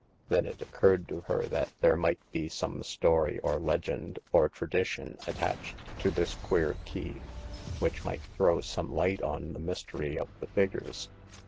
Then it occurred to her that there might be some story, or legend, or tradition attached to this queer key, which might throw some light on the mystery of the figures.